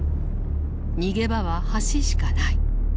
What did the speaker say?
逃げ場は橋しかない。